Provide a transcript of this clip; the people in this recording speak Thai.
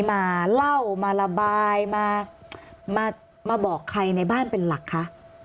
มาเล่ามาระบายมาบอกใครในบ้านเป็นหลักคะ